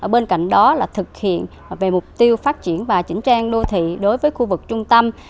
bên cạnh đó là thực hiện về mục tiêu phát triển và chỉnh trang đô thị đối với khu vực trung tâm